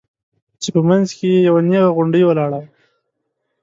چې په منځ کښې يې يوه نيغه غونډۍ ولاړه وه.